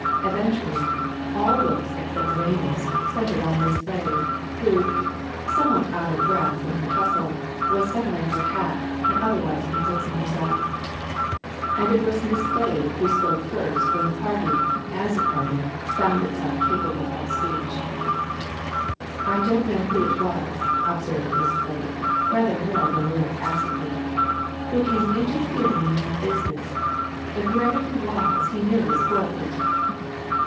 Eventually, all looks except Rayner's centred on Miss Slade, who, somewhat out of breath from her tussle, was settling her hat and otherwise composing herself. And it was Miss Slade who spoke first when the party, as a party, found itself capable of speech. "I don't know who it was," observed Miss Slade, rather more than a little acidly, "who came interfering in my business, but whoever he was he nearly spoilt it."